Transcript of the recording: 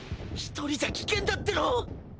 １人じゃ危険だっての！